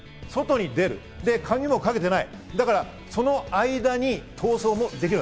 外に出る、鍵もかけてない。